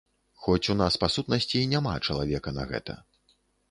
Хоць у нас па сутнасці няма чалавека на гэта.